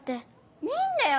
いいんだよ